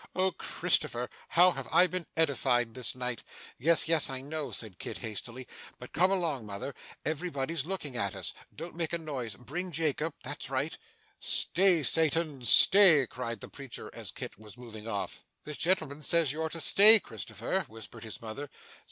'Oh, Christopher, how have I been edified this night!' 'Yes, yes, I know,' said Kit hastily; 'but come along, mother, everybody's looking at us. Don't make a noise bring Jacob that's right!' 'Stay, Satan, stay!' cried the preacher, as Kit was moving off. 'This gentleman says you're to stay, Christopher,' whispered his mother.